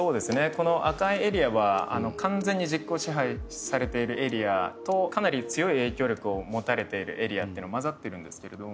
この赤いエリアは完全に実効支配されているエリアとかなり強い影響力を持たれているエリアっていうのが交ざってるんですけれども。